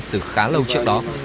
từ khá lâu trước đó